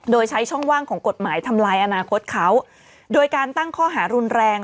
โดยใช้ช่องว่างของกฎหมายทำลายอนาคตเขาโดยการตั้งข้อหารุนแรง